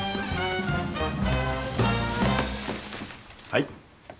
はい。